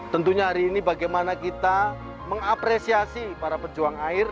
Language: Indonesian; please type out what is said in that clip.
tentunya hari ini bagaimana kita mengapresiasi para pejuang air